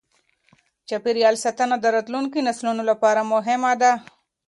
چاپیریال ساتنه د راتلونکې نسلونو لپاره مهمه ده.